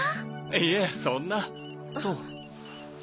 いえそんな。